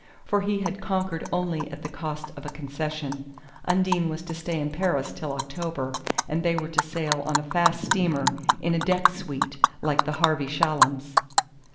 For he had conquered only at the cost of a concession: Undine was to stay in Paris till October, and they were to sail on a fast steamer, in a deck suite, like the Harvey Shallums.